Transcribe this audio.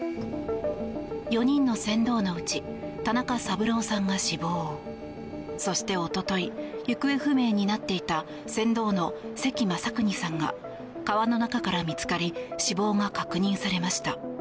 ４人の船頭のうち田中三郎さんが死亡そしておととい行方不明になっていた船頭の関雅有さんが川の中から見つかり死亡が確認されました。